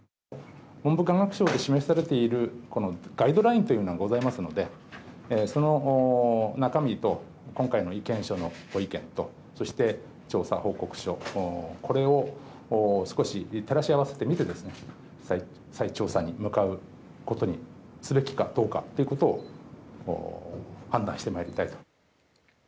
文部科学省で示されているガイドラインというものがございますのでその中身と今回の意見書のご意見とそして、調査報告書これを少し照らし合わせてみて再調査に向かうことにすべきかどうかということを判断してまいりたいと。